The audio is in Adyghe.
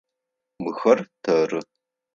Мыхэр тэры.